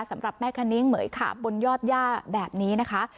สำหรับแม่คณิ้งเหมือยขาบบนยอดย่าแบบนี้นะคะ